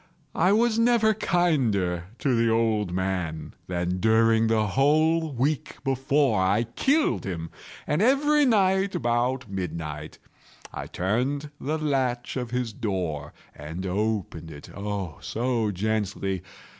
I was never kinder to the old man than during the whole week before I killed him. And every night, about midnight, I turned the latch of his door and opened it—oh, so gently!